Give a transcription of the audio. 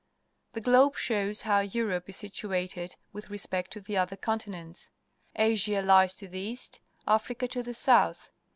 The globe shows how Europe is situated with respect to the other continents. Asia lies to the east, Africa to the south.